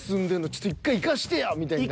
ちょっと１回行かしてや」みたいになりますよ。